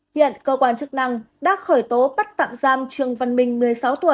hiện cơ quan chức năng đã khởi tố bắt tạm giam trương văn minh một mươi sáu tuổi